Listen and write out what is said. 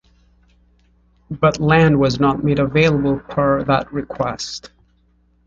But land was not made available per that request.